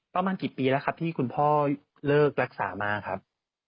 ประมาณกี่ปีแล้วครับที่คุณพ่อเลิกรักษามาครับ